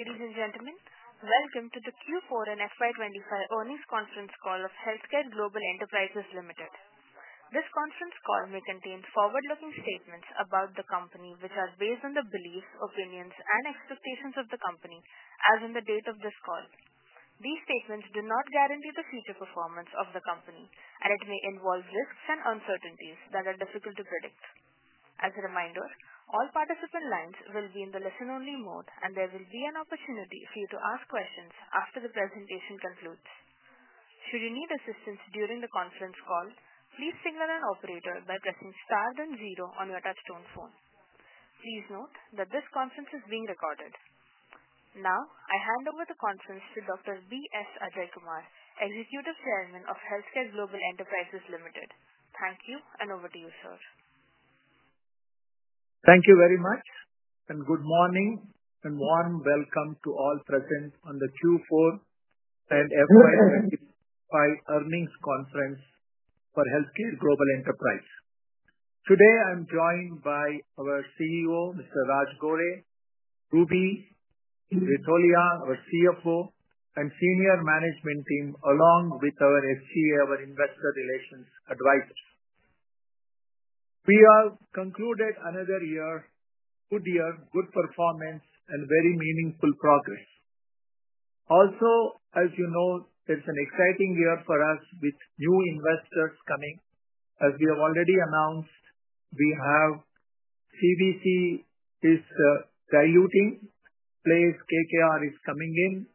Ladies and gentlemen, welcome to the Q4 and FY 2025 earnings conference call of HealthCare Global Enterprises Limited. This conference call may contain forward-looking statements about the company, which are based on the beliefs, opinions, and expectations of the company as on the date of this call. These statements do not guarantee the future performance of the company, and it may involve risks and uncertainties that are difficult to predict. As a reminder, all participant lines will be in the listen-only mode, and there will be an opportunity for you to ask questions after the presentation concludes. Should you need assistance during the conference call, please signal an operator by pressing star then zero on your touch-tone phone. Please note that this conference is being recorded. Now, I hand over the conference to Dr. B. S. Ajaikumar, Executive Chairman of HealthCare Global Enterprises Limited. Thank you, and over to you, sir. Thank you very much, and good morning, and warm welcome to all present on the Q4 and FY 2025 earnings conference for HealthCare Global Enterprises. Today, I'm joined by our CEO, Mr. Raj Gore, Ruby Ritolia, our CFO, and senior management team, along with our SGA, our investor relations advisor. We have concluded another good year, good performance, and very meaningful progress. Also, as you know, it's an exciting year for us with new investors coming. As we have already announced, we have CDC is diluting place. KKR is coming in.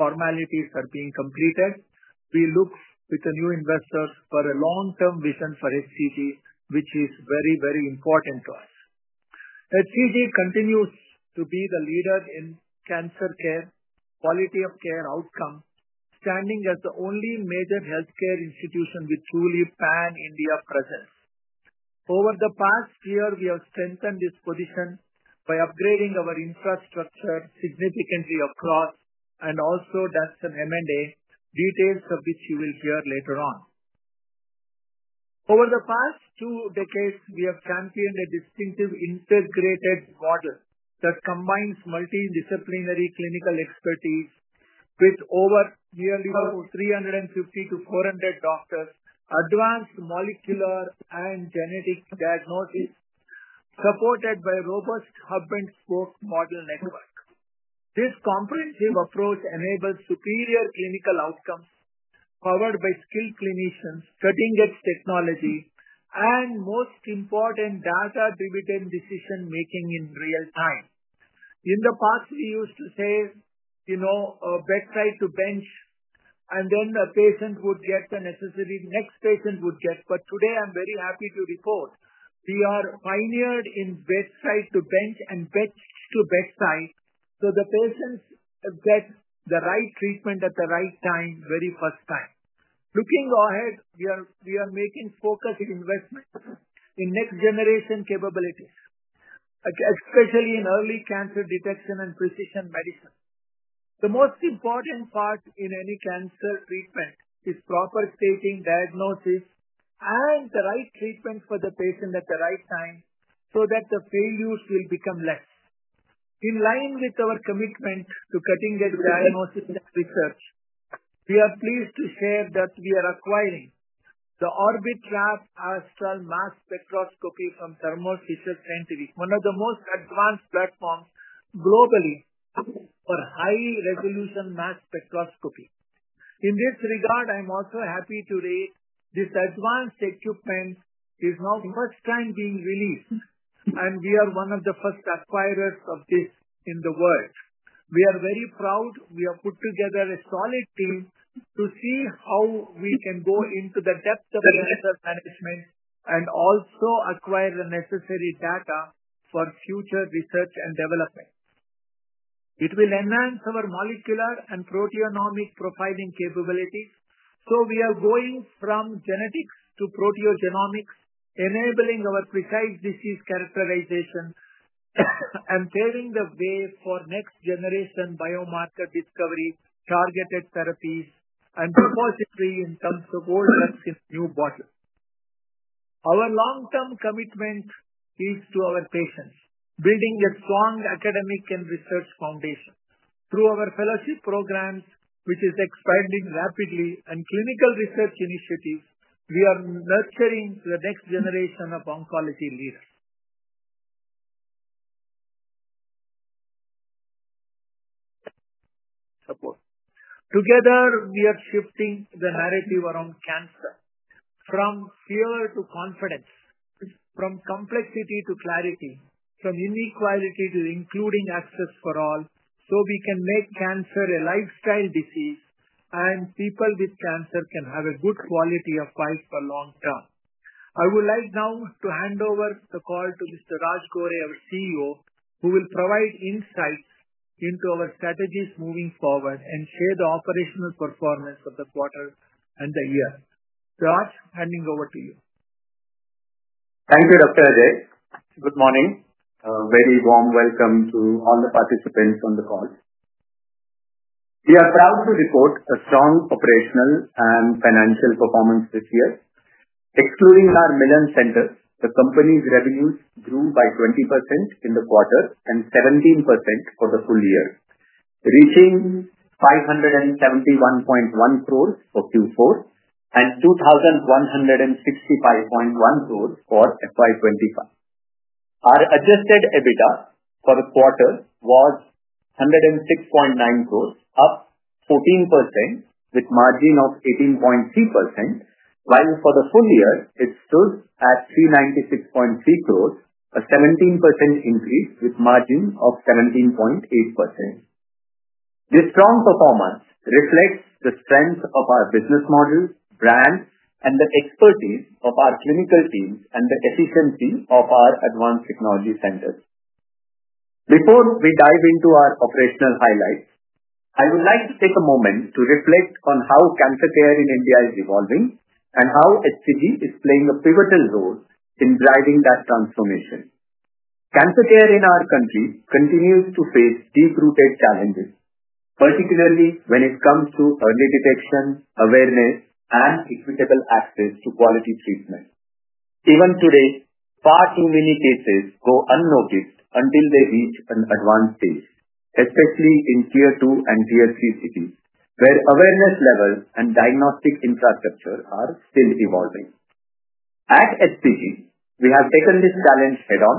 Formalities are being completed. We look with the new investors for a long-term vision for HCG, which is very, very important to us. HCG continues to be the leader in cancer care, quality of care outcome, standing as the only major healthcare institution with truly pan-India presence. Over the past year, we have strengthened this position by upgrading our infrastructure significantly across and also that's an M&A, details of which you will hear later on. Over the past two decades, we have championed a distinctive integrated model that combines multidisciplinary clinical expertise with over nearly 350-400 doctors, advanced molecular and genetic diagnosis supported by robust hub-and-spoke model network. This comprehensive approach enables superior clinical outcomes powered by skilled clinicians, cutting-edge technology, and most important, data-driven decision-making in real time. In the past, we used to say, "Bedside to bench," and then a patient would get the necessary next patient would get. Today, I'm very happy to report we are pioneered in bedside to bench and bed to bedside so the patients get the right treatment at the right time very first time. Looking ahead, we are making focused investments in next-generation capabilities, especially in early cancer detection and precision medicine. The most important part in any cancer treatment is proper staging diagnosis and the right treatment for the patient at the right time so that the failures will become less. In line with our commitment to cutting-edge diagnosis and research, we are pleased to share that we are acquiring the Orbitrap Astral Mass Spectrometer from Thermo Fisher Scientific, one of the most advanced platforms globally for high-resolution mass spectrometry. In this regard, I'm also happy to say this advanced equipment is now first time being released, and we are one of the first acquirers of this in the world. We are very proud. We have put together a solid team to see how we can go into the depth of cancer management and also acquire the necessary data for future research and development. It will enhance our molecular and proteogenomic profiling capabilities. We are going from genetics to proteogenomics, enabling our precise disease characterization and paving the way for next-generation biomarker discovery, targeted therapies, and repository in terms of all drugs in new bottles. Our long-term commitment is to our patients, building a strong academic and research foundation. Through our fellowship programs, which are expanding rapidly, and clinical research initiatives, we are nurturing the next generation of oncology leaders. Together, we are shifting the narrative around cancer from fear to confidence, from complexity to clarity, from inequality to including access for all so we can make cancer a lifestyle disease and people with cancer can have a good quality of life for long term. I would like now to hand over the call to Mr. Raj Gore, our CEO, who will provide insights into our strategies moving forward and share the operational performance of the quarter and the year. Raj, handing over to you. Thank you, Dr. Ajai. Good morning. A very warm welcome to all the participants on the call. We are proud to report a strong operational and financial performance this year. Excluding our Milann centers, the company's revenues grew by 20% in the quarter and 17% for the full year, reaching 571.1 crore for Q4 and INR 2,165.1 crore for FY 2025. Our adjusted EBITDA for the quarter was 106.9 crore, up 14% with a margin of 18.3%, while for the full year, it stood at 396.3 crore, a 17% increase with a margin of 17.8%. This strong performance reflects the strength of our business model, brand, and the expertise of our clinical teams and the efficiency of our advanced technology centers. Before we dive into our operational highlights, I would like to take a moment to reflect on how cancer care in India is evolving and how HCG is playing a pivotal role in driving that transformation. Cancer care in our country continues to face deep-rooted challenges, particularly when it comes to early detection, awareness, and equitable access to quality treatment. Even today, far too many cases go unnoticed until they reach an advanced stage, especially in Tier II and Tier III cities, where awareness levels and diagnostic infrastructure are still evolving. At HCG, we have taken this challenge head-on.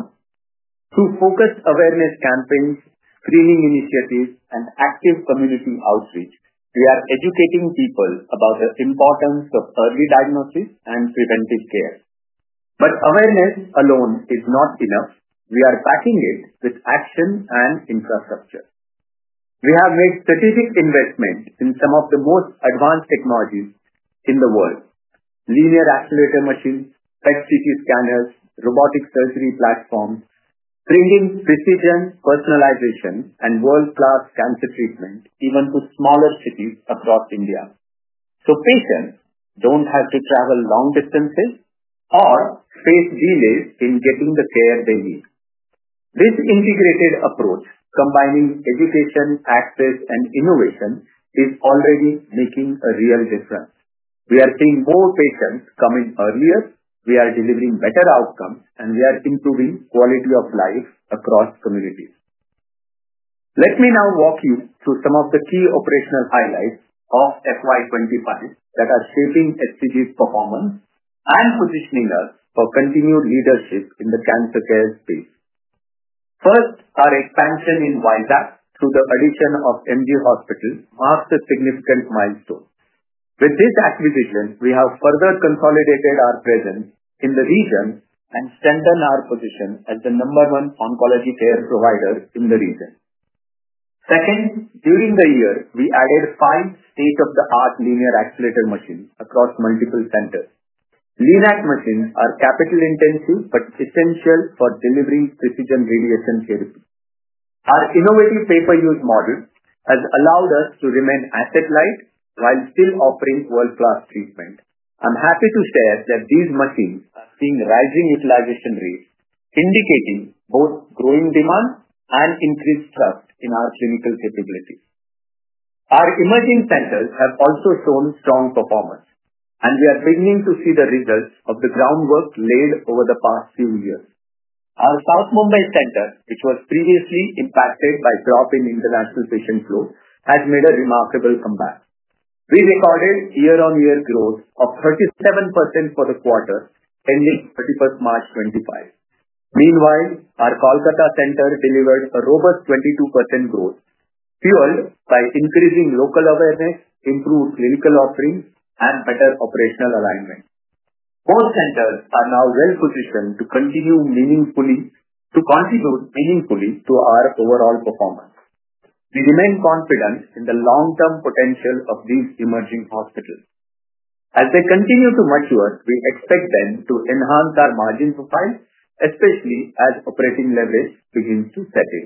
Through focused awareness campaigns, screening initiatives, and active community outreach, we are educating people about the importance of early diagnosis and preventive care. Awareness alone is not enough. We are backing it with action and infrastructure. We have made strategic investments in some of the most advanced technologies in the world: linear accelerator machines, PET-CT scanners, robotic surgery platforms, bringing precision personalization and world-class cancer treatment even to smaller cities across India. Patients do not have to travel long distances or face delays in getting the care they need. This integrated approach, combining education, access, and innovation, is already making a real difference. We are seeing more patients coming earlier. We are delivering better outcomes, and we are improving quality of life across communities. Let me now walk you through some of the key operational highlights of FY 2025 that are shaping HCG's performance and positioning us for continued leadership in the cancer care space. First, our expansion in Vizag through the addition of MG Hospital marks a significant milestone. With this acquisition, we have further consolidated our presence in the region and strengthened our position as the number one oncology care provider in the region. Second, during the year, we added five state-of-the-art linear accelerator machines across multiple centers. LINAC machines are capital-intensive but essential for delivering precision radiation therapy. Our innovative paper-use model has allowed us to remain asset-light while still offering world-class treatment. I'm happy to share that these machines are seeing rising utilization rates, indicating both growing demand and increased trust in our clinical capabilities. Our emerging centers have also shown strong performance, and we are beginning to see the results of the groundwork laid over the past few years. Our South Mumbai center, which was previously impacted by a drop in international patient flow, has made a remarkable comeback. We recorded year-on-year growth of 37% for the quarter ending 31st March 2025. Meanwhile, our Kolkata center delivered a robust 22% growth, fueled by increasing local awareness, improved clinical offering, and better operational alignment. Both centers are now well-positioned to continue to contribute meaningfully to our overall performance. We remain confident in the long-term potential of these emerging hospitals. As they continue to mature, we expect them to enhance our margin profile, especially as operating leverage begins to settle.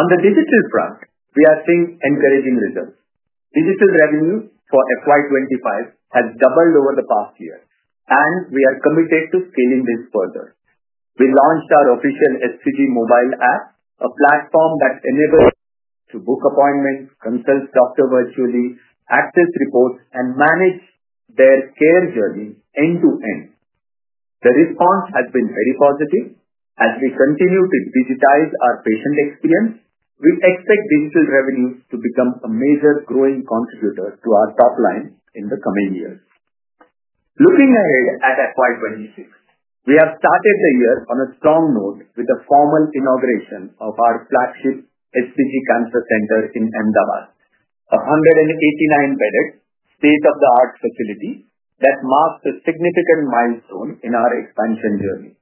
On the digital front, we are seeing encouraging results. Digital revenue for FY 2025 has doubled over the past year, and we are committed to scaling this further. We launched our official HCG mobile app, a platform that enables us to book appointments, consult doctors virtually, access reports, and manage their care journey end-to-end. The response has been very positive. As we continue to digitize our patient experience, we expect digital revenue to become a major growing contributor to our top line in the coming years. Looking ahead at FY 2026, we have started the year on a strong note with the formal inauguration of our flagship HCG cancer center in Ahmedabad, a 189-bedded, state-of-the-art facility that marks a significant milestone in our expansion journey.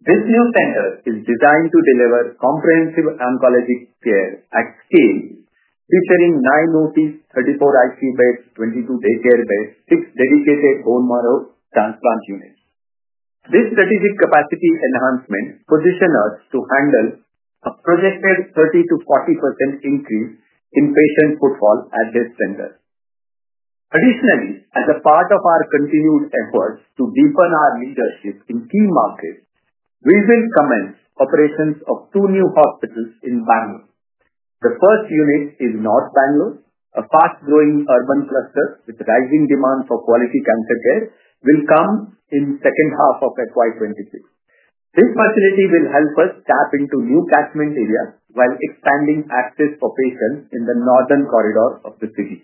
This new center is designed to deliver comprehensive oncologic care at scale, featuring nine OTs, 34 ICU beds, 22 daycare beds, and six dedicated bone marrow transplant units. This strategic capacity enhancement positions us to handle a projected 30%-40% increase in patient footfall at this center. Additionally, as a part of our continued efforts to deepen our leadership in key markets, we will commence operations of two new hospitals in Bangalore. The first unit is North Bangalore, a fast-growing urban cluster with rising demand for quality cancer care, which will come in the second half of FY 2026. This facility will help us tap into new catchment areas while expanding access for patients in the northern corridor of the city.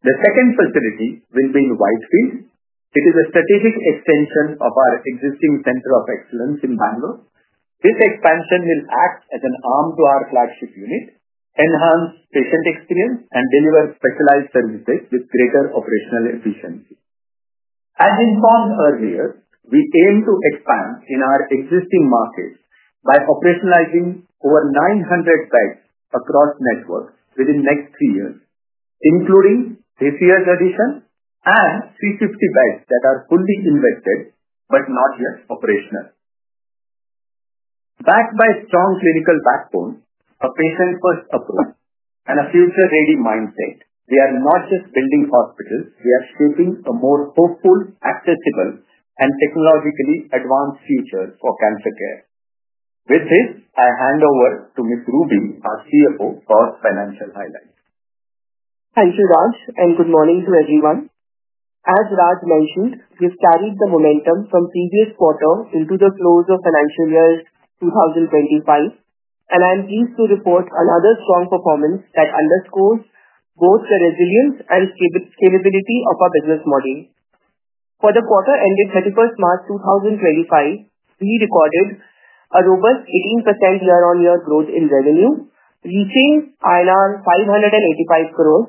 The second facility will be in Whitefield. It is a strategic extension of our existing center of excellence in Bangalore. This expansion will act as an arm to our flagship unit, enhance patient experience, and deliver specialized services with greater operational efficiency. As informed earlier, we aim to expand in our existing markets by operationalizing over 900 beds across networks within the next three years, including this year's addition and 350 beds that are fully invented but not yet operational. Backed by a strong clinical backbone, a patient-first approach, and a future-ready mindset, we are not just building hospitals. We are shaping a more hopeful, accessible, and technologically advanced future for cancer care. With this, I hand over to Ms. Ruby, our CFO, for financial highlights. Thank you, Raj, and good morning to everyone. As Raj mentioned, we've carried the momentum from previous quarter into the flows of financial year 2025, and I'm pleased to report another strong performance that underscores both the resilience and scalability of our business model. For the quarter ending 31st March 2025, we recorded a robust 18% year-on-year growth in revenue, reaching INR 585 crore,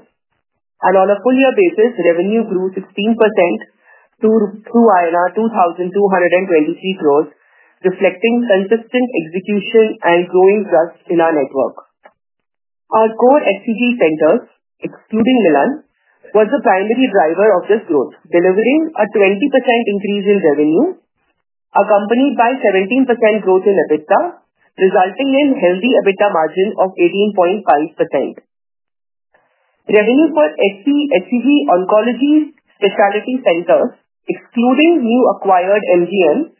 and on a full-year basis, revenue grew 16% through 2,223 crore, reflecting consistent execution and growing trust in our network. Our core HCG centers, excluding Milann, were the primary driver of this growth, delivering a 20% increase in revenue, accompanied by a 17% growth in EBITDA, resulting in a healthy EBITDA margin of 18.5%. Revenue for HCG oncology specialty centers, excluding newly acquired MGM,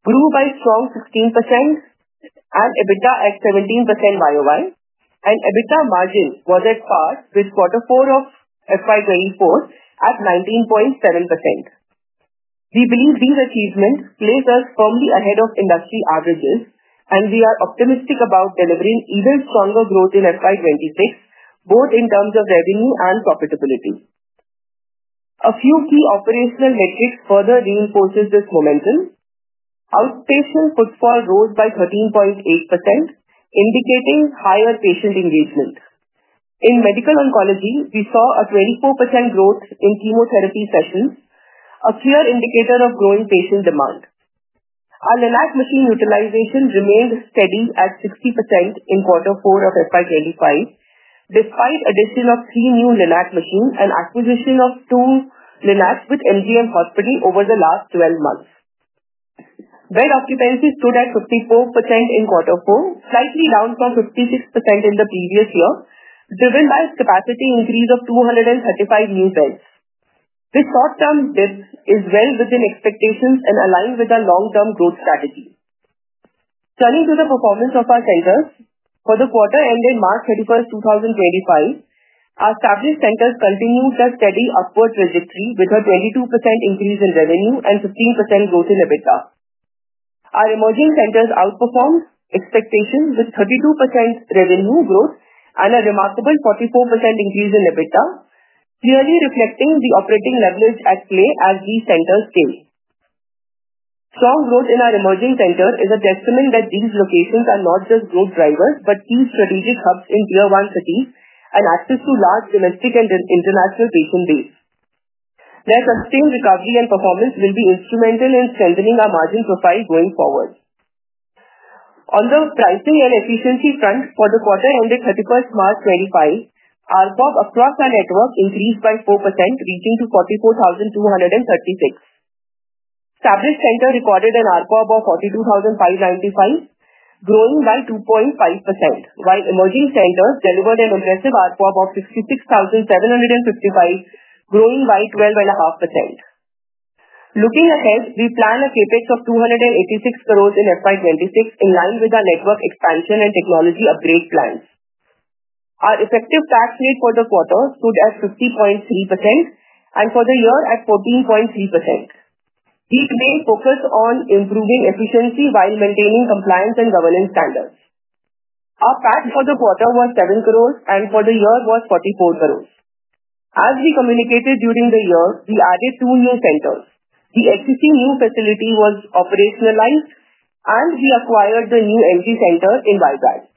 grew by a strong 16%, and EBITDA at 17% year-on-year. EBITDA margin was at par with the quarter four of FY 2024 at 19.7%. We believe these achievements place us firmly ahead of industry averages, and we are optimistic about delivering even stronger growth in FY 2026, both in terms of revenue and profitability. A few key operational metrics further reinforce this momentum. Outpatient footfall rose by 13.8%, indicating higher patient engagement. In medical oncology, we saw a 24% growth in chemotherapy sessions, a clear indicator of growing patient demand. Our LINAC machine utilization remained steady at 60% in quarter four of FY 2025, despite the addition of three new LINAC machines and the acquisition of two LINACs with MGM Hospital over the last 12 months. Bed occupancy stood at 54% in quarter four, slightly down from 56% in the previous year, driven by the capacity increase of 235 new beds. This short-term dip is well within expectations and aligns with our long-term growth strategy. Turning to the performance of our centers, for the quarter ending March 31st, 2025, our established centers continued their steady upward trajectory with a 22% increase in revenue and a 15% growth in EBITDA. Our emerging centers outperformed expectations with a 32% revenue growth and a remarkable 44% increase in EBITDA, clearly reflecting the operating leverage at play as these centers scale. Strong growth in our emerging centers is a testament that these locations are not just growth drivers but key strategic hubs in tier-one cities and access to large domestic and international patient bases. Their sustained recovery and performance will be instrumental in strengthening our margin profile going forward. On the pricing and efficiency front, for the quarter ending March 31st, 2025, our ARPOB across our network increased by 4%, reaching 44,236. Established centers recorded an ARPOB of 42,595, growing by 2.5%, while emerging centers delivered an impressive ARPOB of 66,755, growing by 12.5%. Looking ahead, we plan a CapEx of 286 crore in FY 2026 in line with our network expansion and technology upgrade plans. Our effective tax rate for the quarter stood at 50.3%, and for the year, at 14.3%. We main focus on improving efficiency while maintaining compliance and governance standards. Our PAT for the quarter was 7 crore, and for the year, it was 44 crore. As we communicated during the year, we added two new centers. The HCG new facility was operationalized, and we acquired the new MG center in Vizag.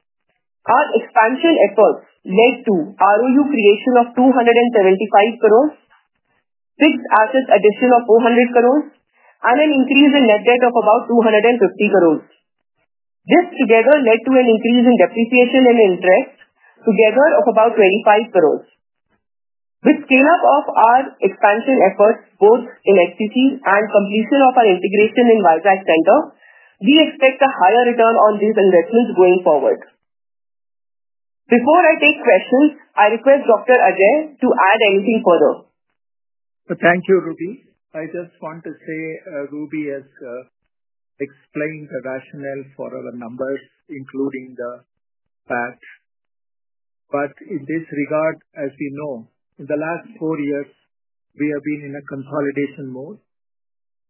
Our expansion efforts led to ROU creation of 275 crore, fixed assets addition of 400 crore, and an increase in net debt of about 250 crore. This together led to an increase in depreciation and interest, together of about 25 crore. With the scale-up of our expansion efforts, both in HCG and completion of our integration in Vizag center, we expect a higher return on these investments going forward. Before I take questions, I request Dr. B. S. Ajai to add anything further. Thank you, Ruby. I just want to say, Ruby has explained the rationale for our numbers, including the PAT. In this regard, as we know, in the last four years, we have been in a consolidation mode.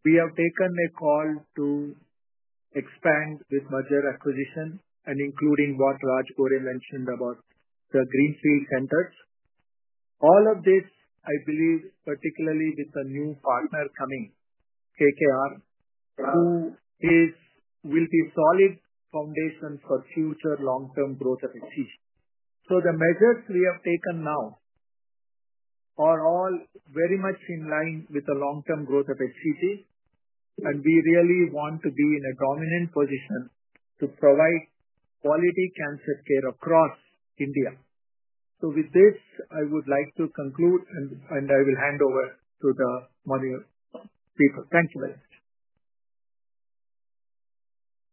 We have taken a call to expand with merger acquisition and including what Raj Gore mentioned about the greenfield centers. All of this, I believe, particularly with the new partner coming, KKR, will be a solid foundation for future long-term growth of HCG. The measures we have taken now are all very much in line with the long-term growth of HCG, and we really want to be in a dominant position to provide quality cancer care across India. With this, I would like to conclude, and I will hand over to the people. Thank you very much.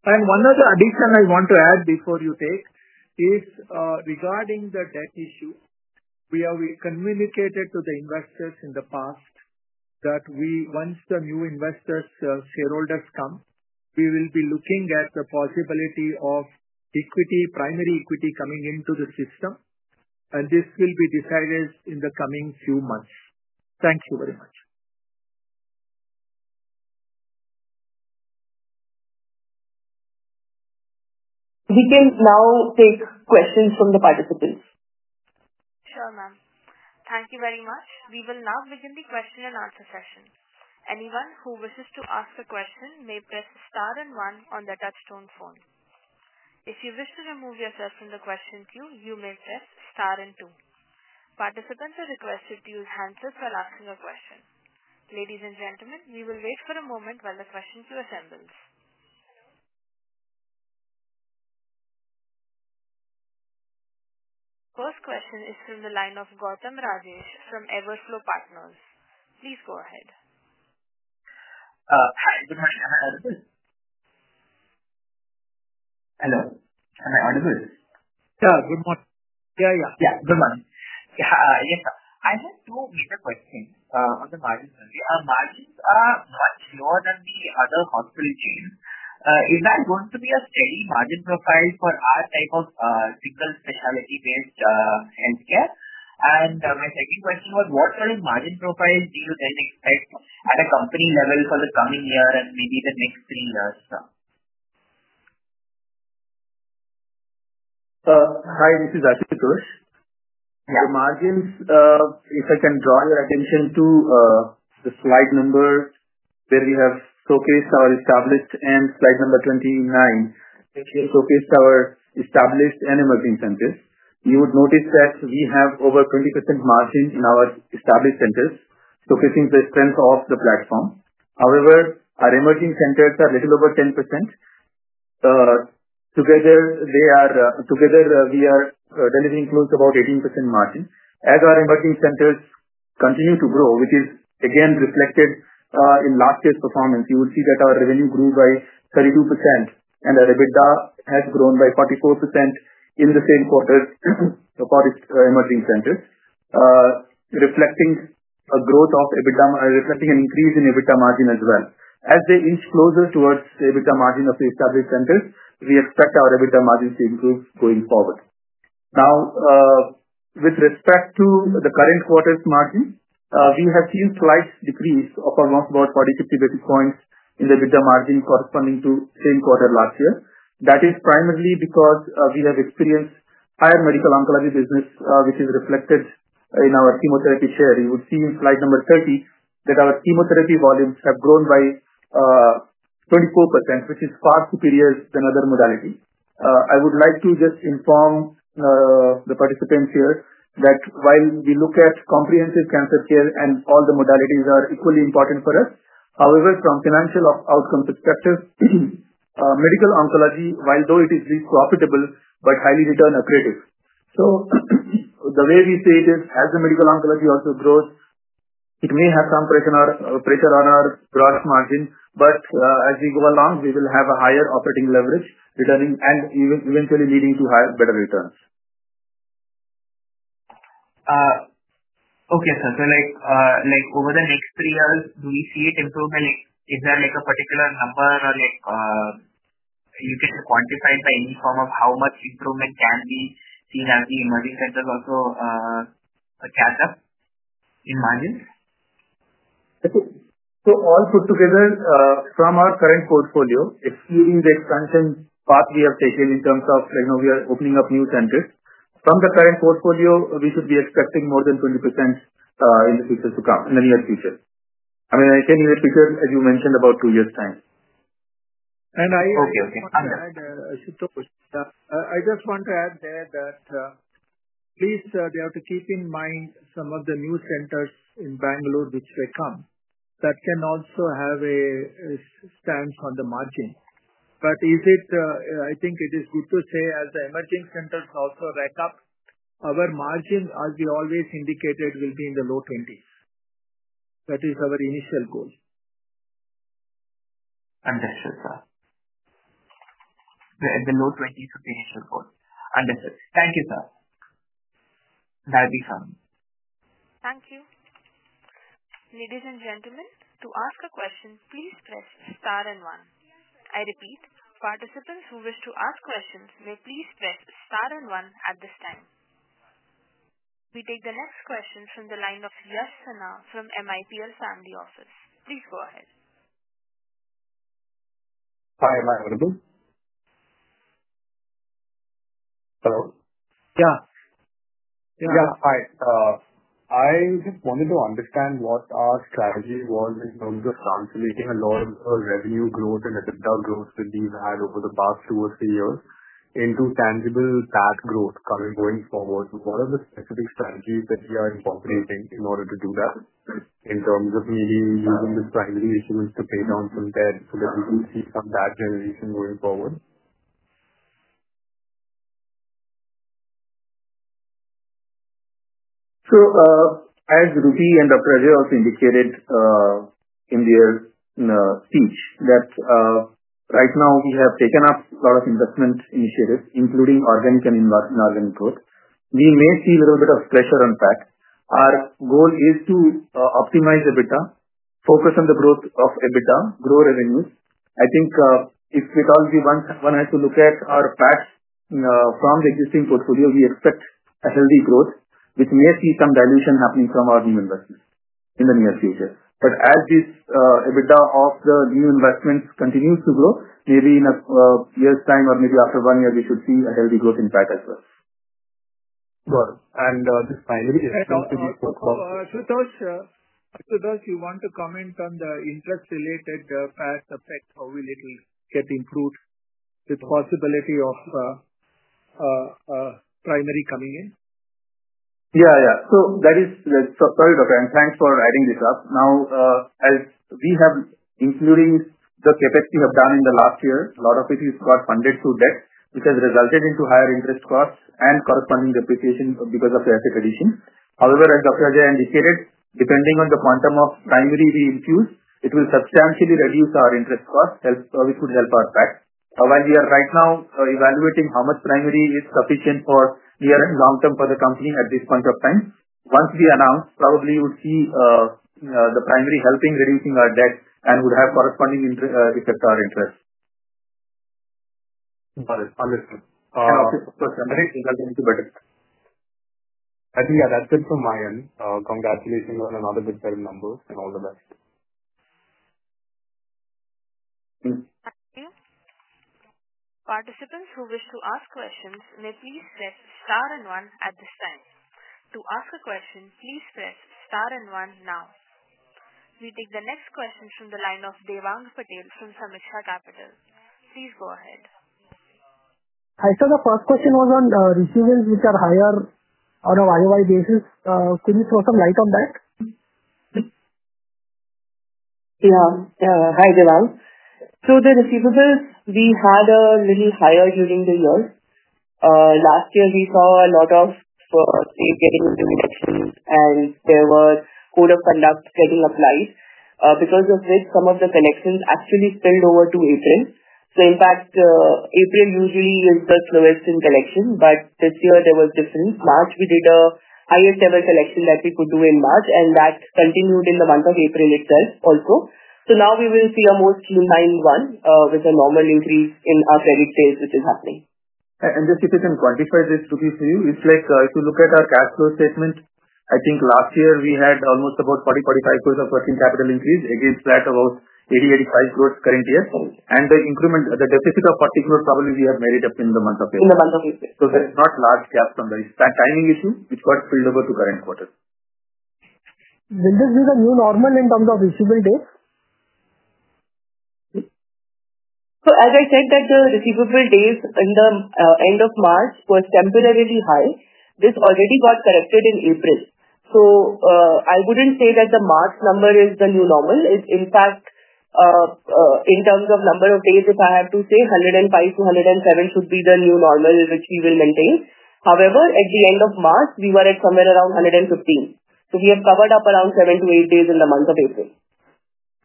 One other addition I want to add before you take is regarding the debt issue. We have communicated to the investors in the past that once the new investors' shareholders come, we will be looking at the possibility of equity, primary equity coming into the system, and this will be decided in the coming few months. Thank you very much. We can now take questions from the participants. Sure, ma'am. Thank you very much. We will now begin the question and answer session. Anyone who wishes to ask a question may press star and one on the touchstone phone. If you wish to remove yourself from the question queue, you may press star and two. Participants are requested to use handsets while asking a question. Ladies and gentlemen, we will wait for a moment while the question queue assembles. First question is from the line of Gautam Rajesh from EverFlow Partners. Please go ahead. Hi, good morning. Am I audible? Hello, am I audible? Yeah, good morning. Yeah, good morning. Yes, sir. I have two major questions on the margins. Our margins are much lower than the other hospital chains. Is there going to be a steady margin profile for our type of single specialty-based healthcare? My second question was, what kind of margin profile do you then expect at a company level for the coming year and maybe the next three years? Hi, this is Ashutosh. The margins, if I can draw your attention to the slide number where we have showcased our established and slide number 29, which showcased our established and emerging centers, you would notice that we have over 20% margin in our established centers, showcasing the strength of the platform. However, our emerging centers are a little over 10%. Together, we are delivering close to about 18% margin. As our emerging centers continue to grow, which is again reflected in last year's performance, you will see that our revenue grew by 32%, and our EBITDA has grown by 44% in the same quarter for emerging centers, reflecting an increase in EBITDA margin as well. As they inch closer towards EBITDA margin of the established centers, we expect our EBITDA margin to improve going forward. Now, with respect to the current quarter's margin, we have seen a slight decrease of almost about 40 basis points-50 basis points in the EBITDA margin corresponding to the same quarter last year. That is primarily because we have experienced higher medical oncology business, which is reflected in our chemotherapy share. You would see in slide number 30 that our chemotherapy volumes have grown by 34%, which is far superior than other modalities. I would like to just inform the participants here that while we look at comprehensive cancer care and all the modalities are equally important for us, however, from a financial outcome perspective, medical oncology, although it is least profitable, is highly return accretive. The way we say it is, as the medical oncology also grows, it may have some pressure on our gross margin, but as we go along, we will have a higher operating leverage returning and eventually leading to better returns. Okay, sir. Over the next three years, do we see it improve? Is there a particular number or you can quantify it by any form of how much improvement can be seen as the emerging centers also catch up in margins? All put together, from our current portfolio, excluding the expansion path we have taken in terms of we are opening up new centers, from the current portfolio, we should be expecting more than 20% in the near future. I mean, I can give a picture, as you mentioned, about two years' time. And I. Okay, okay. I just want to add there that please, they have to keep in mind some of the new centers in Bangalore which will come that can also have a stance on the margin. I think it is good to say, as the emerging centers also rack up, our margin, as we always indicated, will be in the low 20%. That is our initial goal. Understood, sir. The low 20% would be the initial goal. Understood. Thank you, sir. That will be fine. Thank you. Ladies and gentlemen, to ask a question, please press star and one. I repeat, participants who wish to ask questions may please press star and one at this time. We take the next question from the line of Yash Sinha from MIPL Family Office. Please go ahead. Hi, am I audible? Hello? Yeah. Yeah, hi. I just wanted to understand what our strategy was in terms of calculating a lot of the revenue growth and EBITDA growth that we've had over the past two or three years into tangible PAT growth going forward. What are the specific strategies that we are incorporating in order to do that in terms of maybe using the primary issues to pay down some debt so that we can see some PAT generation going forward? As Ruby and Dr. Ajai also indicated in their speech, right now we have taken up a lot of investment initiatives, including organic and inorganic growth. We may see a little bit of pressure on PAT. Our goal is to optimize EBITDA, focus on the growth of EBITDA, grow revenues. I think if we all have to look at our PATs from the existing portfolio, we expect a healthy growth, which may see some dilution happening from our new investments in the near future. As this EBITDA of the new investments continues to grow, maybe in a year's time or maybe after one year, we should see a healthy growth in PAT as well. Got it. The primary issue to be focused on. Ashutosh, you want to comment on the interest-related PAT effect, how will it get improved with the possibility of primary coming in? Yeah, yeah. Sorry, doctor, thanks for adding this up. Now, as we have, including the CapEx we have done in the last year, a lot of it has got funded through debt, which has resulted in higher interest costs and corresponding depreciation because of the asset addition. However, as Dr. Ajai indicated, depending on the quantum of primary we infuse, it will substantially reduce our interest costs, which would help our PAT. While we are right now evaluating how much primary is sufficient for near and long term for the company at this point of time, once we announce, probably we would see the primary helping reduce our debt and would have corresponding effect on our interest. Got it. Understood. I think it will be better. I think that's it from my end. Congratulations on another good set of numbers and all the best. Thank you. Participants who wish to ask questions may please press star and one at this time. To ask a question, please press star and one now. We take the next question from the line of Devang Patel from Sameeksha Capital. Please go ahead. Hi, sir. The first question was on receivables which are higher on a year-on-year basis. Could you throw some light on that? Yeah. Hi, Devang. So the receivables, we had a little higher during the year. Last year, we saw a lot of getting into, and there were code of conduct getting applied. Because of this, some of the collections actually spilled over to April. In fact, April usually is the slowest in collection, but this year there was difference. March, we did a higher-table collection that we could do in March, and that continued in the month of April itself also. Now we will see a mostly 9/1 with a normal increase in our credit sales which is happening. If you can quantify this, Ruby, for you, it's like if you look at our cash flow statement, I think last year we had almost about 40 crore-45 crore of working capital increase against that about 80 crore-85 crore current year. The increment, the deficit of 40 crore probably we have married up in the month of April. In the month of April. There is not large gap from the timing issue which got spilled over to current quarter. Will this be the new normal in terms of receivable days? As I said, the receivable days at the end of March were temporarily high. This already got corrected in April. I would not say that the March number is the new normal. In fact, in terms of number of days, if I have to say, 105-107 should be the new normal which we will maintain. However, at the end of March, we were at somewhere around 115. We have covered up around seven to eight days in the month of April.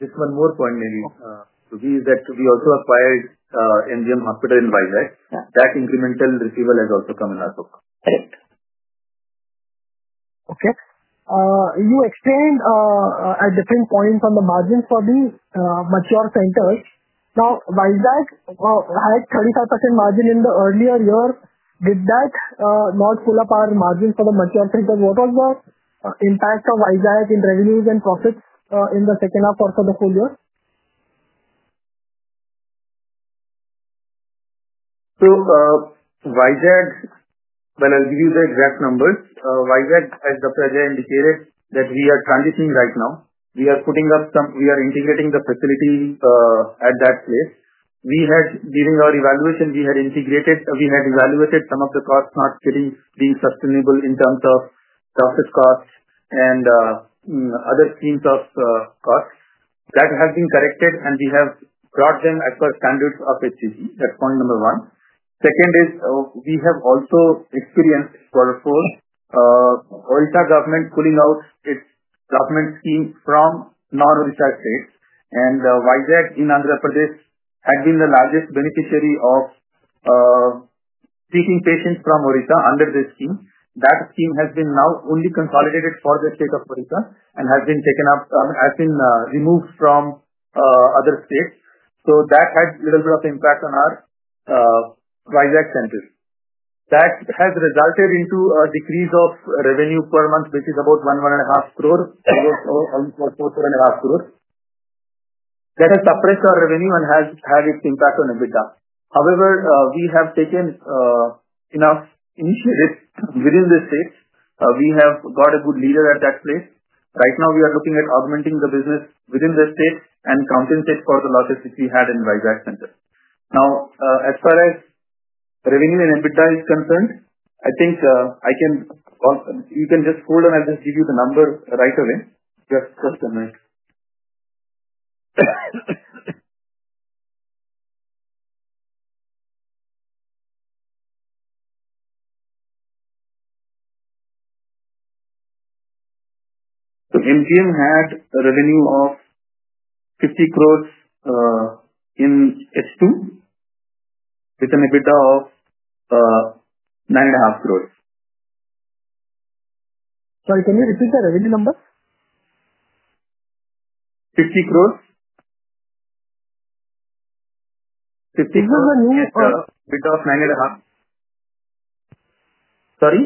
Just one more point, maybe. Ruby, is that we also acquired MGM Hospital in Vizag. That incremental receivable has also come in our book. Correct. Okay. You explained at different points on the margins for the mature centers. Now, Vizag had 35% margin in the earlier year. Did that not pull up our margins for the mature centers? What was the impact of Vizag in revenues and profits in the second half of the full year? Vizag, when I'll give you the exact numbers, Vizag, as Dr. Ajai indicated, we are transitioning right now. We are putting up some, we are integrating the facility at that place. During our evaluation, we had evaluated some of the costs not being sustainable in terms of process costs and other schemes of costs. That has been corrected, and we have brought them at the standards of HCG. That's point number one. Second is we have also experienced, for example, Andhra government pulling out its government scheme from non-research states. And Vizag in Andhra Pradesh had been the largest beneficiary of taking patients from Orissa under this scheme. That scheme has been now only consolidated for the state of Orissa and has been removed from other states. That had a little bit of impact on our Vizag centers. That has resulted in a decrease of revenue per month, which is about 1 crore-1.5 crore, almost INR 4 crore-INR 4.5 crore. That has suppressed our revenue and has had its impact on EBITDA. However, we have taken enough initiatives within the states. We have got a good leader at that place. Right now, we are looking at augmenting the business within the state and compensate for the losses which we had in Vizag centers. Now, as far as revenue and EBITDA is concerned, I think I can you can just hold on. I'll just give you the number right away. Just a minute. So MGM had a revenue of 50 crore in H2 with an EBITDA of 9.5 crore. Sorry, can you repeat the revenue number? INR 50 crore. This is the new. EBITDA of INR 9.5 crore. Sorry?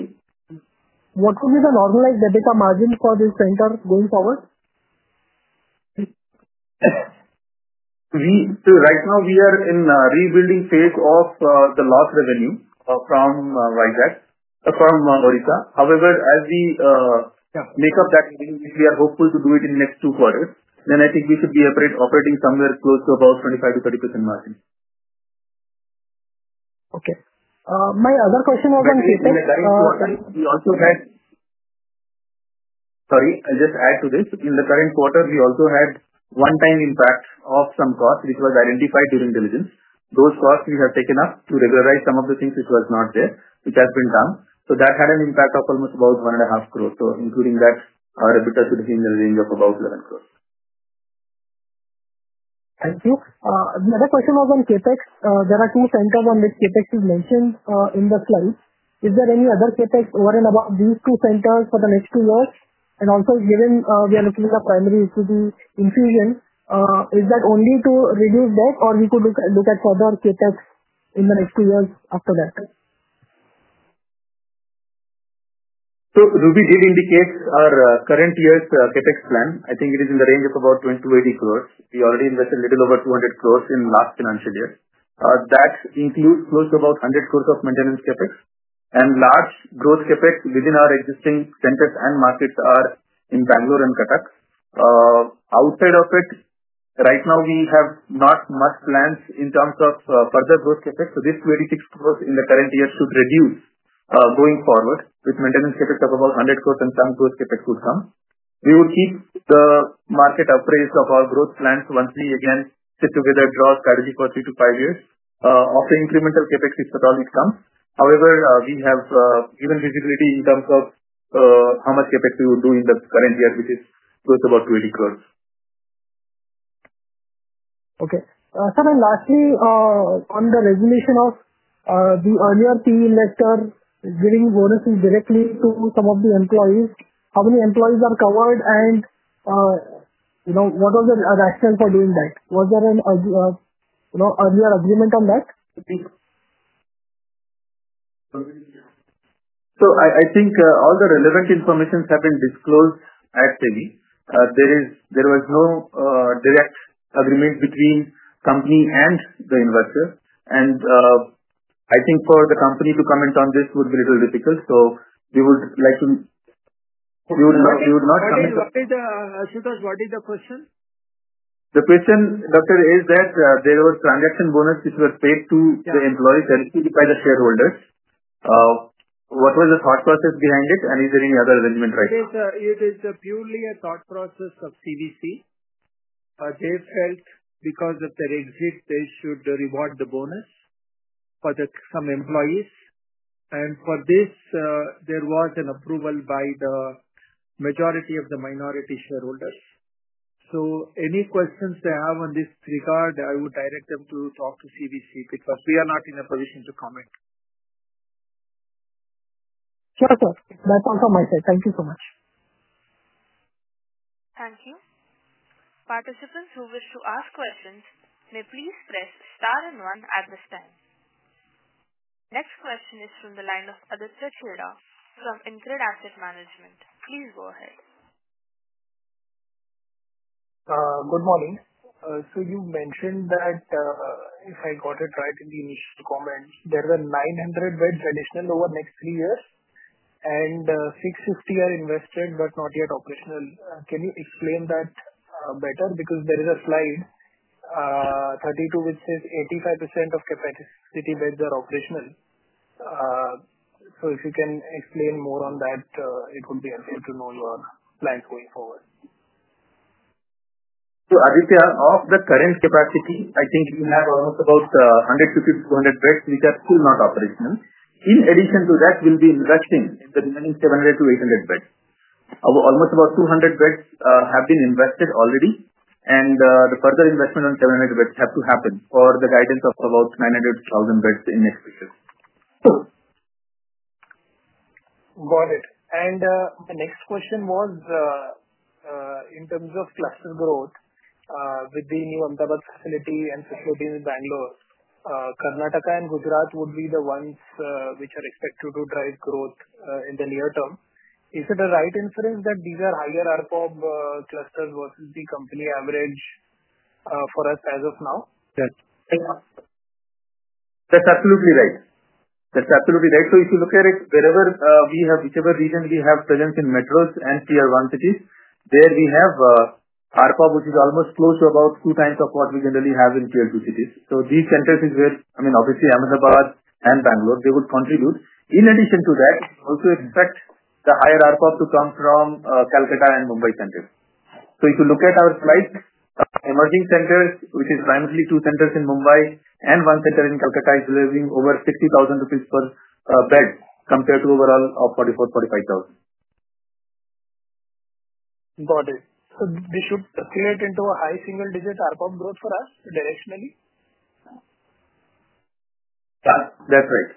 What would be the normalized EBITDA margin for this center going forward? Right now, we are in a rebuilding phase of the lost revenue from Orissa. However, as we make up that revenue, which we are hopeful to do in the next two quarters, I think we should be operating somewhere close to about 25%-30% margin. Okay. My other question was on. In the current quarter, we also had, sorry, I'll just add to this. In the current quarter, we also had one-time impact of some costs which was identified during diligence. Those costs we have taken up to regularize some of the things which were not there, which have been done. That had an impact of almost about 1.5 crore. Including that, our EBITDA should be in the range of about 11 crore. Thank you. Another question was on CapEx. There are two centers on which CapEx is mentioned in the slide. Is there any other CapEx over and above these two centers for the next two years? Also, given we are looking at the primary issue to be infusion, is that only to reduce debt, or could we look at further CapEx in the next two years after that? Ruby did indicate our current year's CapEx plan. I think it is in the range of about 20 crore-80 crore. We already invested a little over 200 crore in the last financial year. That includes close to about 100 crore of maintenance CapEx. Large growth CapEx within our existing centers and markets are in Bangalore and Cuttack. Outside of it, right now, we have not much plans in terms of further growth CapEx. This 286 crore in the current year should reduce going forward with maintenance CapEx of about 100 crore and some growth CapEx would come. We will keep the market appraised of our growth plans once we again sit together, draw a strategy for three to five years, offer incremental CapEx if at all it comes. However, we have given visibility in terms of how much CapEx we would do in the current year, which is close to about 280 crore. Okay. So then lastly, on the regulation of the earlier PE investor giving bonuses directly to some of the employees, how many employees are covered, and what was the rationale for doing that? Was there an earlier agreement on that? I think all the relevant information has been disclosed at [Delhi]. There was no direct agreement between the company and the investor. I think for the company to comment on this would be a little difficult. We would like to. What is the question, Ashutosh? What is the question? The question, Doctor, is that there was transaction bonus which was paid to the employees directly by the shareholders. What was the thought process behind it, and is there any other arrangement right now? It is purely a thought process of CVC. They felt because of their exit, they should reward the bonus for some employees. For this, there was an approval by the majority of the minority shareholders. Any questions they have on this regard, I would direct them to talk to CVC because we are not in a position to comment. Sure, sir. That's all from my side. Thank you so much. Thank you. Participants who wish to ask questions may please press star and one at this time. Next question is from the line of Aditya Khemka from InCred Asset Management. Please go ahead. Good morning. You mentioned that if I got it right in the initial comments, there were 900 beds additional over the next three years, and 650 are invested but not yet operational. Can you explain that better? There is a slide 32 which says 85% of capacity beds are operational. If you can explain more on that, it would be helpful to know your plans going forward. Aditya, of the current capacity, I think we have almost about 150 beds-200 beds which are still not operational. In addition to that, we'll be investing in the remaining 700 beds-800 beds. Almost about 200 beds have been invested already, and the further investment on 700 beds has to happen for the guidance of about 900 beds-1,000 beds in the next few years. Got it. My next question was in terms of cluster growth with the new Ahmedabad facility and facilities in Bangalore, Karnataka, and Gujarat. Would these be the ones which are expected to drive growth in the near term? Is it a right inference that these are higher ARPOB clusters versus the company average for us as of now? That's absolutely right. If you look at it, wherever we have presence in metros and tier one cities, there we have ARPOB which is almost close to about two times of what we generally have in Tier II cities. These centers are where, I mean, obviously, Ahmedabad and Bangalore, they would contribute. In addition to that, we also expect the higher ARPOB to come from Kolkata and Mumbai centers. If you look at our slide, emerging centers, which is primarily two centers in Mumbai and one center in Kolkata, is delivering over 60,000 rupees per bed compared to overall of 44,000-45,000. Got it. This should circulate into a high single-digit ARPOB growth for us directionally? Yeah, that's right.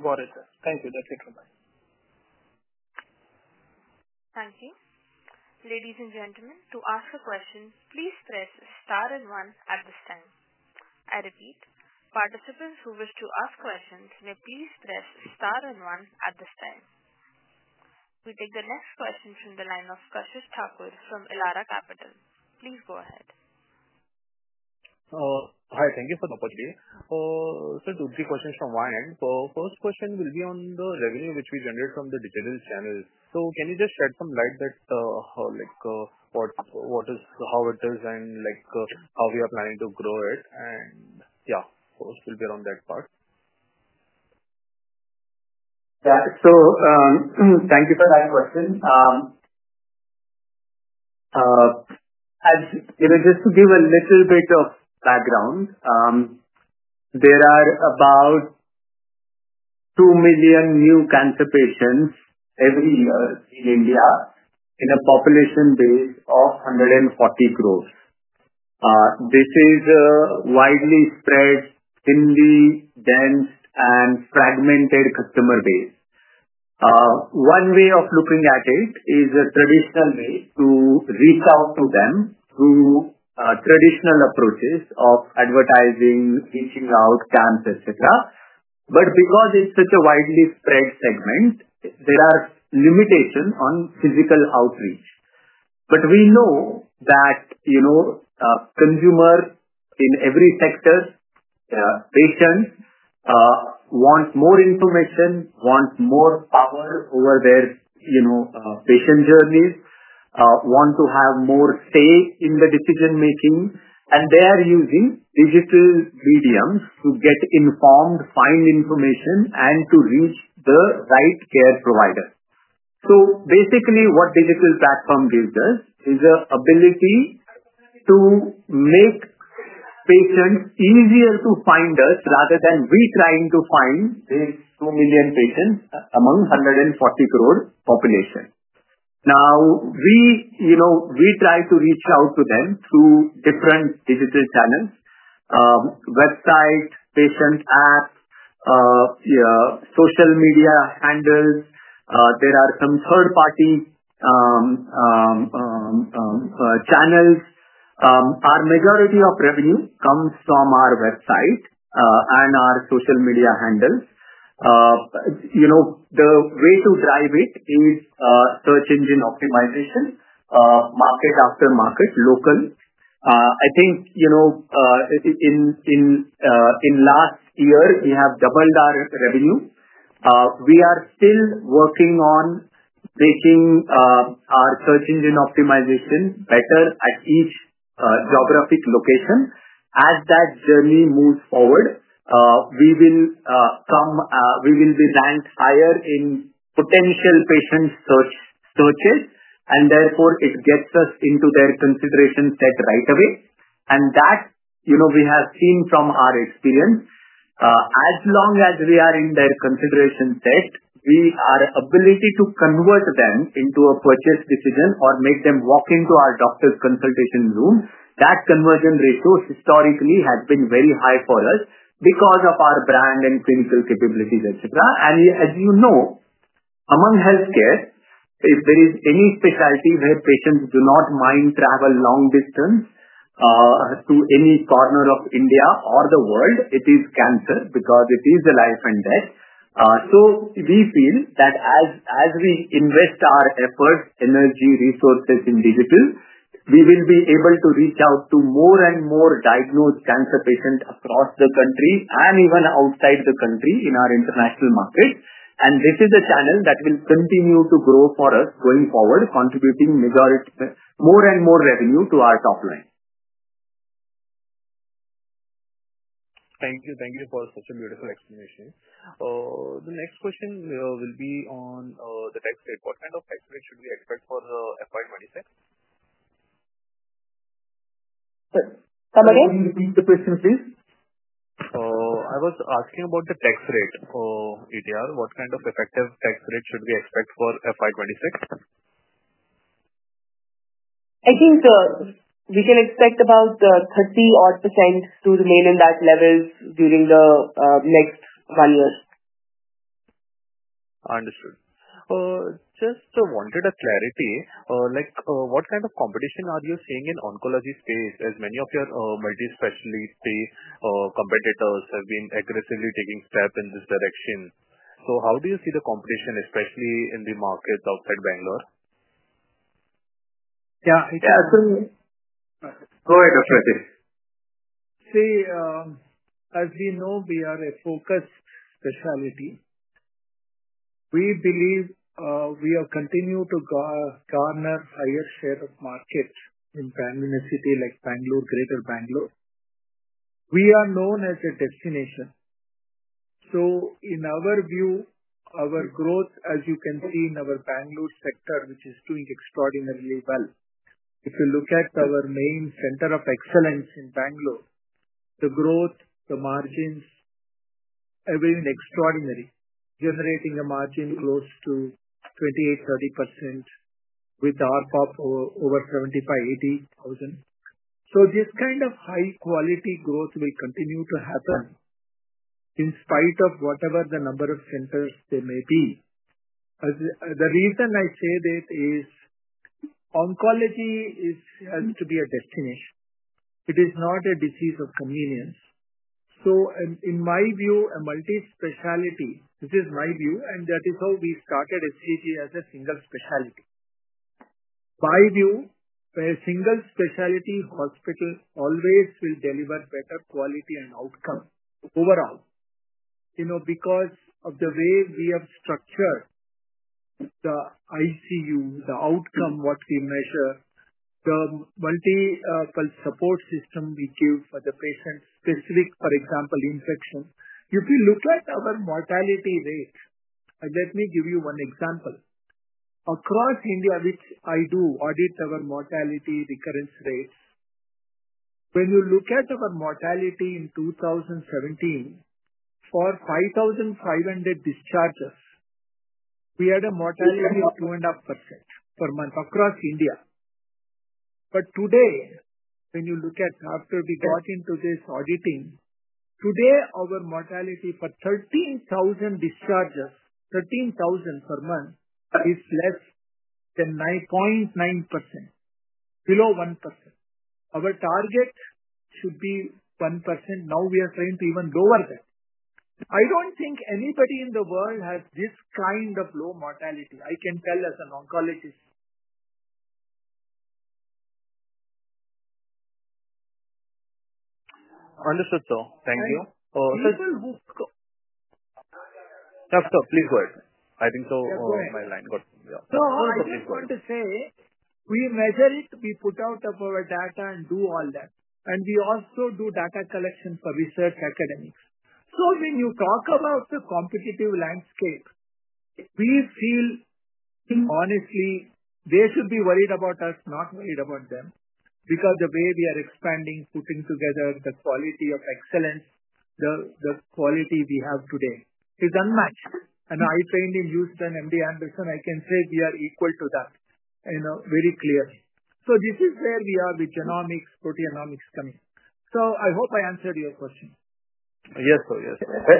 Got it, sir. Thank you. That's it from me. Thank you. Ladies and gentlemen, to ask a question, please press star and one at this time. I repeat, participants who wish to ask questions, may please press star and one at this time. We take the next question from the line of Kashish Thakur from Elara Capital. Please go ahead. Hi, thank you for the opportunity. Two or three questions from my end. First question will be on the revenue which we generate from the digital channels. Can you just shed some light that what is, how it is, and how we are planning to grow it? Yeah, of course, will be around that part. Yeah. Thank you for that question. Just to give a little bit of background, there are about 2 million new cancer patients every year in India in a population base of 140 crores. This is a widely spread, thinly, dense, and fragmented customer base. One way of looking at it is a traditional way to reach out to them through traditional approaches of advertising, reaching out, cancer, etc. Because it is such a widely spread segment, there are limitations on physical outreach. We know that consumers in every sector, patients want more information, want more power over their patient journeys, want to have more say in the decision-making, and they are using digital mediums to get informed, find information, and to reach the right care provider. Basically, what digital platform gives us is the ability to make patients easier to find us rather than we trying to find these 2 million patients among 140 crore population. Now, we try to reach out to them through different digital channels: website, patient app, social media handles. There are some third-party channels. Our majority of revenue comes from our website and our social media handles. The way to drive it is search engine optimization, market after market, local. I think in last year, we have doubled our revenue. We are still working on making our search engine optimization better at each geographic location. As that journey moves forward, we will be ranked higher in potential patient searches, and therefore, it gets us into their consideration set right away. That we have seen from our experience. As long as we are in their consideration set, we are able to convert them into a purchase decision or make them walk into our doctor's consultation room. That conversion ratio historically has been very high for us because of our brand and clinical capabilities, etc. As you know, among healthcare, if there is any specialty where patients do not mind traveling long distance to any corner of India or the world, it is cancer because it is a life and death. We feel that as we invest our efforts, energy, resources in digital, we will be able to reach out to more and more diagnosed cancer patients across the country and even outside the country in our international market. This is a channel that will continue to grow for us going forward, contributing more and more revenue to our top line. Thank you. Thank you for such a beautiful explanation. The next question will be on the tax rate. What kind of tax rate should we expect for FY 2026? Sir, come again? Can you repeat the question, please? I was asking about the tax rate, Aditya. What kind of effective tax rate should we expect for FY 2026? I think we can expect about 30% to remain in that level during the next one year. Understood. Just wanted a clarity. What kind of competition are you seeing in the oncology space? As many of your multi-specialty competitors have been aggressively taking steps in this direction. How do you see the competition, especially in the markets outside Bangalore? Yeah. Go ahead, Dr. Ajai. See, as we know, we are a focused specialty. We believe we continue to garner a higher share of the market in Bangalore City, like Bangalore, Greater Bangalore. We are known as a destination. In our view, our growth, as you can see in our Bangalore sector, which is doing extraordinarily well. If you look at our main center of excellence in Bangalore, the growth, the margins, everything extraordinary, generating a margin close to 28%-30% with ARPOB over 75,000-80,000. This kind of high-quality growth will continue to happen in spite of whatever the number of centers there may be. The reason I say that is oncology has to be a destination. It is not a disease of convenience. In my view, a multi-specialty, this is my view, and that is how we started HCG as a single specialty. My view, a single specialty hospital always will deliver better quality and outcome overall because of the way we have structured the ICU, the outcome, what we measure, the multiple support system we give for the patient specific, for example, infection. If you look at our mortality rate, let me give you one example. Across India, which I do audit our mortality recurrence rates, when you look at our mortality in 2017 for 5,500 discharges, we had a mortality of 2.5% per month across India. Today, when you look at after we got into this auditing, today, our mortality for 13,000 discharges, 13,000 per month is less than 0.9%, below 1%. Our target should be 1%. Now we are trying to even lower that. I do not think anybody in the world has this kind of low mortality. I can tell as an oncologist. Understood, sir. Thank you. People who. Sir, please go ahead. I think so. I just want to say we measure it, we put out our data and do all that. We also do data collection for research academics. When you talk about the competitive landscape, we feel honestly they should be worried about us, not worried about them because the way we are expanding, putting together the quality of excellence, the quality we have today is unmatched. I trained in Houston, MD Anderson. I can say we are equal to that very clearly. This is where we are with genomics, proteogenomics coming. I hope I answered your question. Yes, sir. Yes. I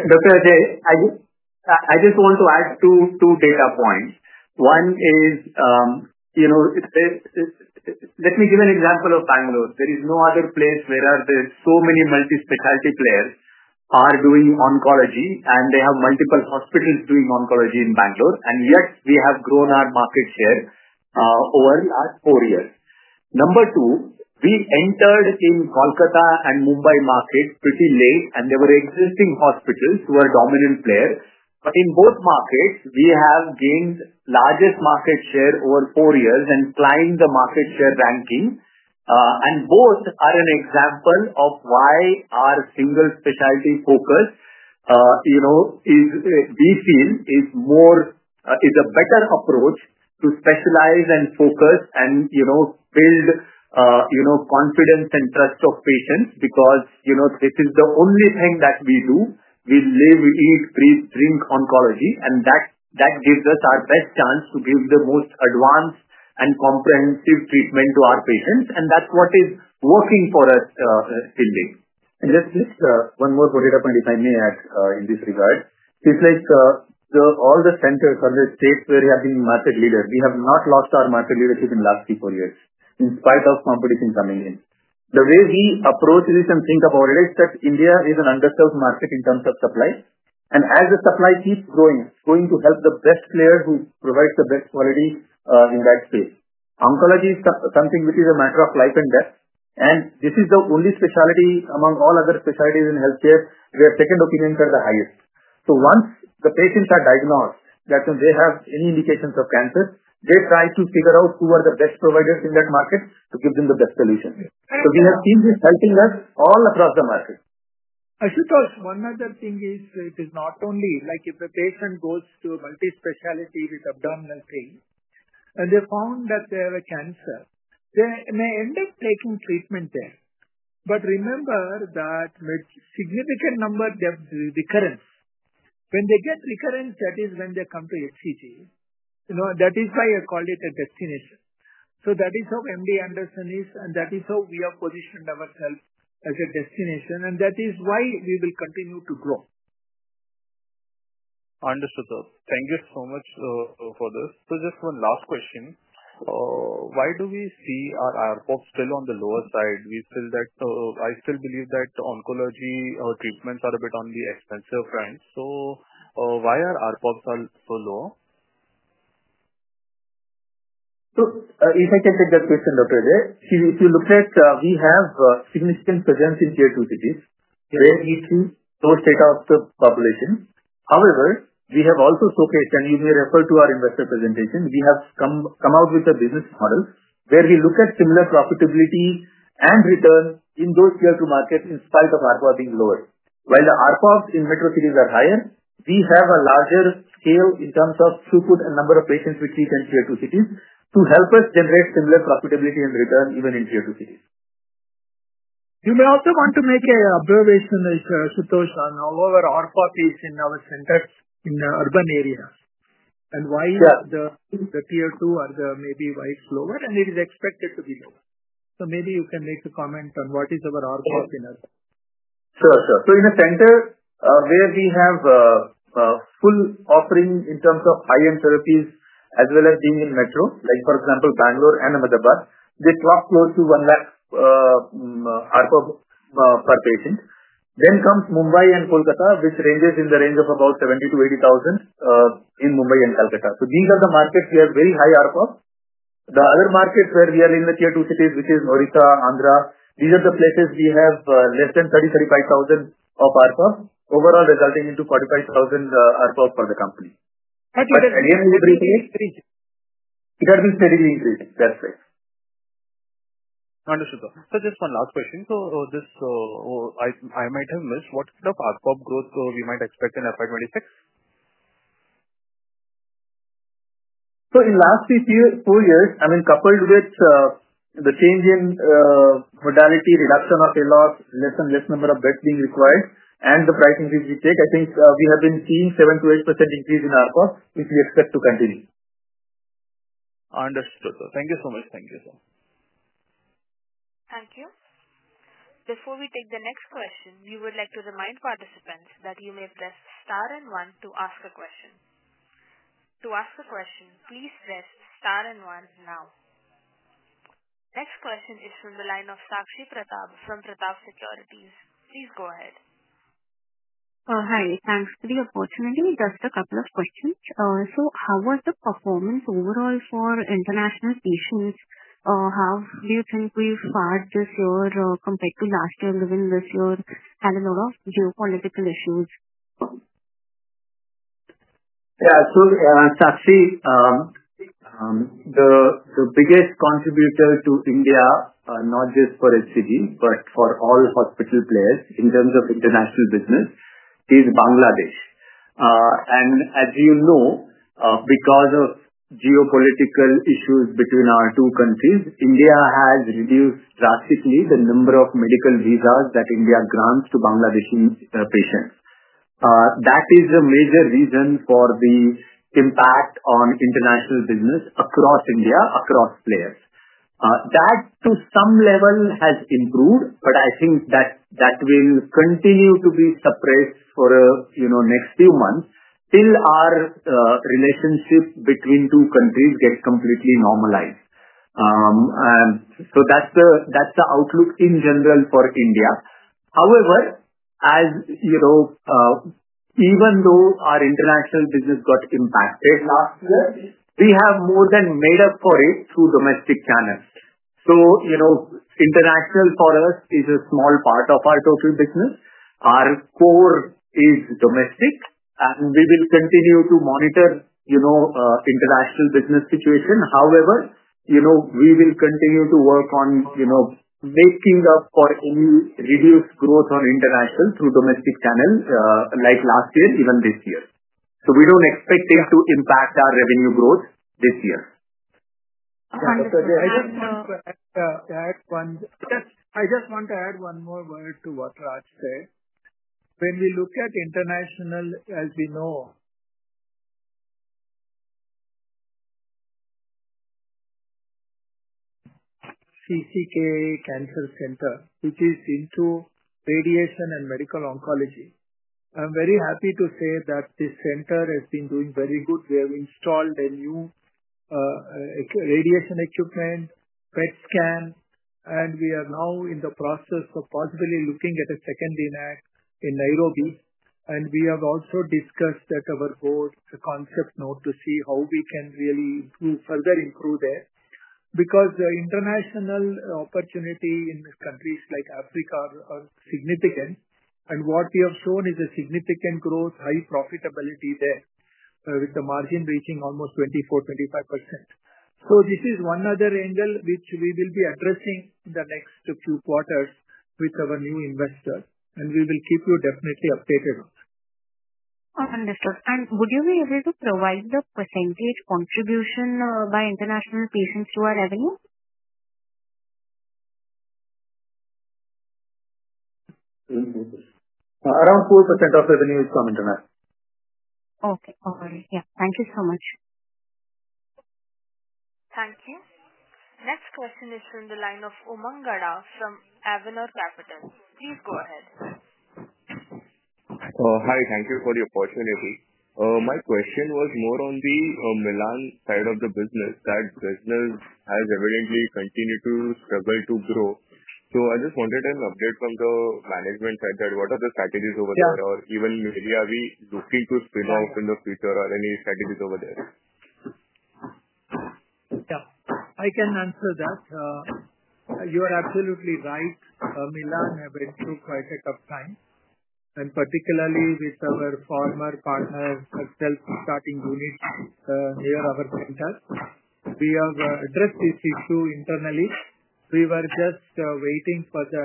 just want to add two data points. One is let me give an example of Bangalore. There is no other place where there are so many multi-specialty players who are doing oncology, and they have multiple hospitals doing oncology in Bangalore. Yet, we have grown our market share over the last four years. Number two, we entered in the Kolkata and Mumbai market pretty late, and there were existing hospitals who were dominant players. In both markets, we have gained the largest market share over four years and climbed the market share ranking. Both are an example of why our single specialty focus we feel is a better approach to specialize and focus and build confidence and trust of patients because this is the only thing that we do. We live, eat, breathe, drink oncology, and that gives us our best chance to give the most advanced and comprehensive treatment to our patients. That is what is working for us still. Just one more point if I may add in this regard. It is like all the centers or the states where we have been market leaders. We have not lost our market leadership in the last three or four years in spite of competition coming in. The way we approach this and think about it is that India is an underserved market in terms of supply. As the supply keeps growing, it is going to help the best players who provide the best quality in that space. Oncology is something which is a matter of life and death. This is the only specialty among all other specialties in healthcare where second opinions are the highest. Once the patients are diagnosed that they have any indications of cancer, they try to figure out who are the best providers in that market to give them the best solution. We have seen this helping us all across the market. Ashutosh, one other thing is it is not only like if a patient goes to a multi-specialty with abdominal pain and they found that they have a cancer, they may end up taking treatment there. Remember that with significant number of recurrence, when they get recurrence, that is when they come to HCG. That is why I call it a destination. That is how MD Anderson is, and that is how we have positioned ourselves as a destination. That is why we will continue to grow. Understood, sir. Thank you so much for this. Just one last question. Why do we see our ARPOB still on the lower side? I still believe that oncology treatments are a bit on the expensive front. Why are ARPOBs so low? If I can take that question, Dr. Ajai. If you look at we have significant presence in Tier II cities where we see low state of the population. However, we have also showcased, and you may refer to our investor presentation, we have come out with a business model where we look at similar profitability and return in those Tier II markets in spite of ARPOB being lower. While the ARPOBs in metro cities are higher, we have a larger scale in terms of throughput and number of patients we treat in Tier II cities to help us generate similar profitability and return even in Tier II cities. You may also want to make an observation, Ashutosh, on how our ARPOB is in our centers in the urban areas and why the tier two are maybe way slower, and it is expected to be lower. Maybe you can make a comment on what is our ARPOB in us. Sure. In a center where we have full offering in terms of high-end therapies as well as being in metro, like for example, Bangalore and Ahmedabad, they clock close to 1 lakh ARPOB per patient. Then comes Mumbai and Kolkata, which ranges in the range of about 70,000-80,000 in Mumbai and Kolkata. These are the markets we have very high ARPOB. The other markets where we are in the tier two cities, which is Orissa, Andhra, these are the places we have less than 30,000-35,000 of ARPOB overall resulting into 45,000 ARPOB for the company. Again, we've been increasing. It has been steadily increasing. That's it. Understood, sir. Just one last question. I might have missed. What kind of ARPOB growth might we expect in FY 2026? In the last three, four years, I mean, coupled with the change in modality, reduction of pay loss, less and less number of beds being required, and the price increase we take, I think we have been seeing 7%-8% increase in ARPOB, which we expect to continue. Understood, sir. Thank you so much. Thank you, sir. Thank you. Before we take the next question, we would like to remind participants that you may press star and one to ask a question. To ask a question, please press star and one now. Next question is from the line of Sakshi Pratap from Pratap Securities. Please go ahead. Hi. Thanks for the opportunity. Just a couple of questions. How was the performance overall for international patients? How do you think we've fared this year compared to last year given this year had a lot of geopolitical issues? Yeah. Sakshi, the biggest contributor to India, not just for HCG, but for all hospital players in terms of international business is Bangladesh. As you know, because of geopolitical issues between our two countries, India has reduced drastically the number of medical visas that India grants to Bangladeshi patients. That is a major reason for the impact on international business across India, across players. That to some level has improved, but I think that will continue to be suppressed for the next few months till our relationship between the two countries gets completely normalized. That is the outlook in general for India. However, even though our international business got impacted last year, we have more than made up for it through domestic channels. International for us is a small part of our total business. Our core is domestic, and we will continue to monitor the international business situation. However, we will continue to work on making up for any reduced growth on international through domestic channel like last year, even this year. We do not expect it to impact our revenue growth this year. I just want to add one more word to what Raj said. When we look at international, as we know, CCK Cancer Center, which is into radiation and medical oncology, I'm very happy to say that this center has been doing very good. We have installed a new radiation equipment, PET scan, and we are now in the process of possibly looking at a second LINAC in Nairobi. We have also discussed at our board concept note to see how we can really further improve there because the international opportunity in countries like Africa is significant. What we have shown is a significant growth, high profitability there with the margin reaching almost 24%-25%. This is one other angle which we will be addressing in the next few quarters with our new investors, and we will keep you definitely updated on that. Understood. Would you be able to provide the percentage contribution by international patients to our revenue? Around 4% of revenue is from international. Okay. All right. Yeah. Thank you so much. Thank you. Next question is from the line of Umang Gada from Avener Capital. Please go ahead. Hi. Thank you for the opportunity. My question was more on the Milann side of the business. That business has evidently continued to struggle to grow. I just wanted an update from the management side that what are the strategies over there or even maybe are we looking to spin off in the future or any strategies over there? Yeah. I can answer that. You are absolutely right. Milann went through quite a tough time. Particularly with our former partner, a self-starting unit near our center, we have addressed this issue internally. We were just waiting for the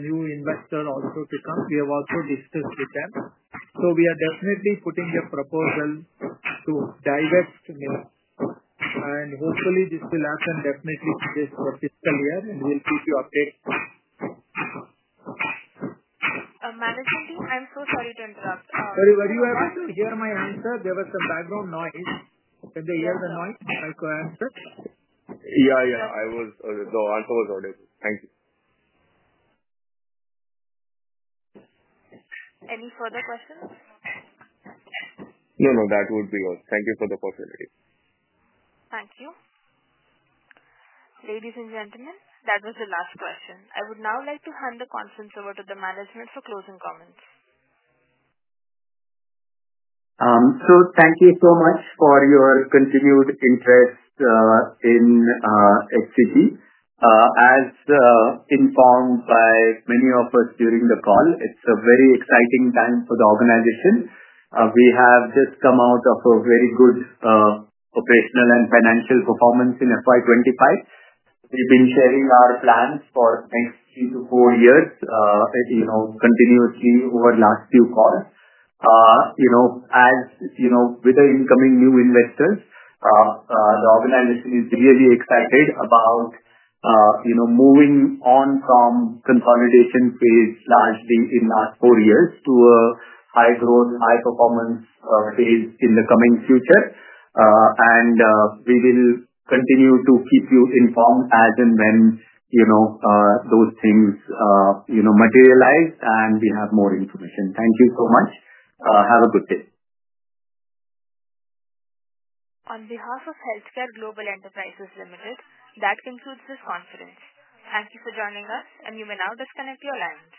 new investor also to come. We have also discussed with them. We are definitely putting a proposal to divest Milann. Hopefully, this will happen definitely this fiscal year, and we'll keep you updated. Management team, I'm so sorry to interrupt. Sorry. Were you able to hear my answer? There was some background noise. Can they hear the noise? If I could answer? Yeah. Yeah. The answer was audible. Thank you. Any further questions? No. No. That would be all. Thank you for the opportunity. Thank you. Ladies and gentlemen, that was the last question. I would now like to hand the conference over to the management for closing comments. Thank you so much for your continued interest in HCG. As informed by many of us during the call, it is a very exciting time for the organization. We have just come out of a very good operational and financial performance in FY 2025. We have been sharing our plans for the next three to four years continuously over the last few calls. As with the incoming new investors, the organization is really excited about moving on from consolidation phase largely in the last four years to a high-growth, high-performance phase in the coming future. We will continue to keep you informed as and when those things materialize and we have more information. Thank you so much. Have a good day. On behalf of HealthCare Global Enterprises Limited, that concludes this conference. Thank you for joining us, and you may now disconnect your lines.